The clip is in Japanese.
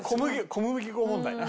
小麦粉問題な。